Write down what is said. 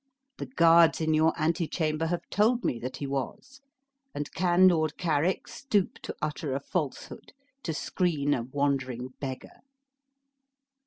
The guards in your antechamber have told me that he was; and can Lord Carrick stoop to utter a falsehood to screen an wandering beggar?"